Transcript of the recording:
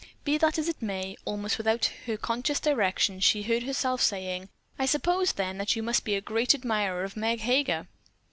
Be that as it may, almost without her conscious direction she heard herself saying: "I suppose, then, that you must be a great admirer of Meg Heger?"